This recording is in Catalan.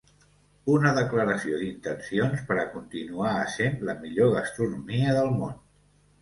Una declaració d’intencions per a continuar essent la millor gastronomia del món.